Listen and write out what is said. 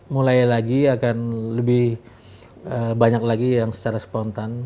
mulai lagi akan lebih banyak lagi yang secara spontan